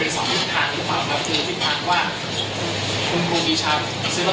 ซื้อลอตเตอรี่มาเก็บหรือเปล่า